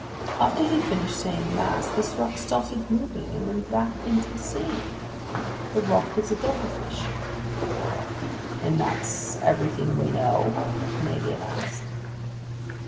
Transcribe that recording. After he finished saying mass, this rock started moving and went back into the sea. The rock was a devilfish." "And that's everything we know?" the Canadian asked.